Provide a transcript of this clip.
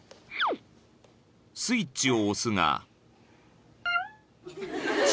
［スイッチを押すが］